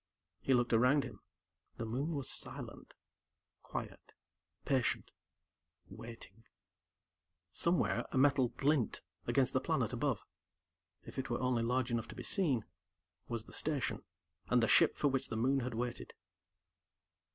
He looked around him. The Moon was silent quiet, patient, waiting. Somewhere, a metal glint against the planet above, if it were only large enough to be seen, was the Station, and the ship for which the Moon had waited.